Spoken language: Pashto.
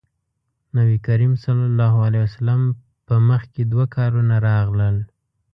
نبي کريم ص په مخکې دوه کارونه راغلل.